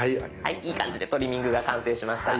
いい感じでトリミングが完成しました。